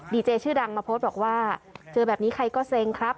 เจชื่อดังมาโพสต์บอกว่าเจอแบบนี้ใครก็เซ็งครับ